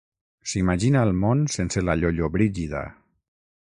S'imagina el món sense la Llollobrigida.